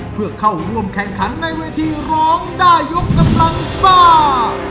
เพื่อเข้าร่วมแข่งขันในเวทีร้องได้ยกกำลังซ่า